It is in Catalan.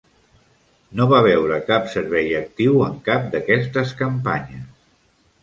No va veure cap servei actiu en cap d'aquestes campanyes.